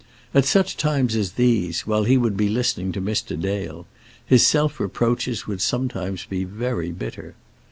At such times as these, while he would be listening to Mr. Dale, his self reproaches would sometimes be very bitter.